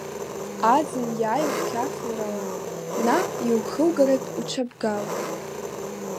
Аӡын иааиуа қафурала наҟ иухугартә уҽаԥгал.